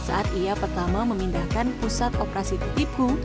saat ia pertama memindahkan pusat operasi titipku